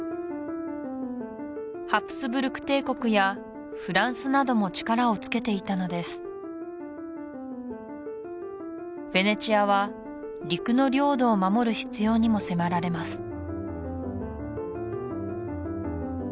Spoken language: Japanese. ハプスブルク帝国やフランスなども力をつけていたのですヴェネツィアは陸の領土を守る必要にも迫られます